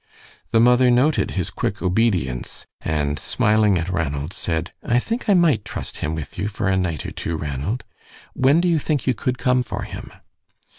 The mother noted his quick obedience, and smiling at Ranald, said: "I think I might trust him with you for a night or two, Ranald. When do you think you could come for him?"